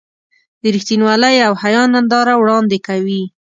د رښتینولۍ او حیا ننداره وړاندې کوي.